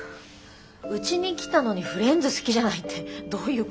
うちに来たのにフレンズ好きじゃないってどういうことよ。